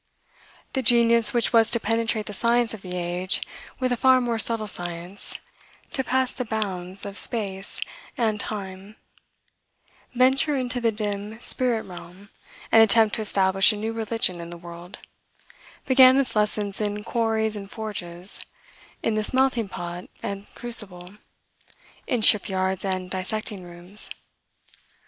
The genius which was to penetrate the science of the age with a far more subtle science; to pass the bounds of space and time; venture into the dim spirit realm, and attempt to establish a new religion in the world, began its lessons in quarries and forges, in the smelting pot and crucible, in ship yards and dissecting rooms.